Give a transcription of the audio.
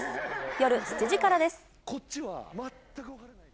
夜７時からです。